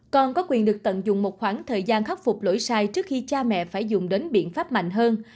con có quyền được tận dụng một khoảng thời gian khắc phục lỗi sai trước khi cha mẹ phải dùng đến biện pháp mạnh hơn